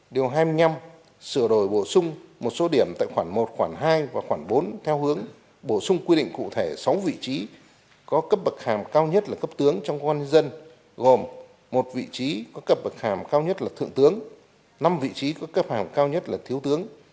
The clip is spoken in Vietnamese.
điều hai mươi năm sửa đổi bổ sung một số điểm tại khoản một khoản hai và khoảng bốn theo hướng bổ sung quy định cụ thể sáu vị trí có cấp bậc hàm cao nhất là cấp tướng trong quan dân gồm một vị trí có cấp bậc hàm cao nhất là thượng tướng năm vị trí có cấp hàng cao nhất là thiếu tướng